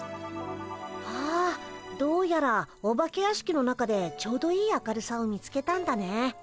ああどうやらお化け屋敷の中でちょうどいい明るさを見つけたんだね。